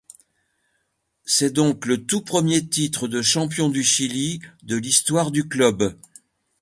C'est donc le tout premier titre de champion du Chili de l'histoire du club.